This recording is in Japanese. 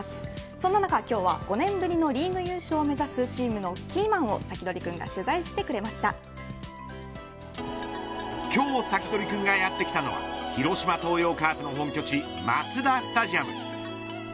そんな中、今日は５年ぶりのリーグ優勝を目指すチームのキーマンをサキドリくんが今日、サキドリくんがやって来たのは広島東洋カープの本拠地マツダスタジアム。